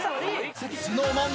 ＳｎｏｗＭａｎ